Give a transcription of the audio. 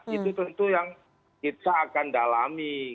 itu tentu yang kita akan dalami